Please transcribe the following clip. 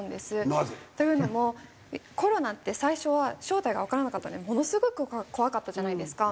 なぜ？というのもコロナって最初は正体がわからなかったものすごく怖かったじゃないですか。